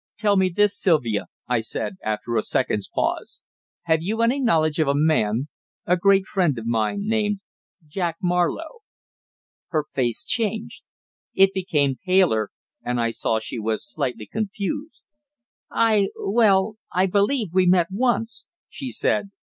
"Tell me this, Sylvia," I said, after a second's pause. "Have you any knowledge of a man a great friend of mine named Jack Marlowe?" Her face changed. It became paler, and I saw she was slightly confused. "I well, I believe we met once," she said.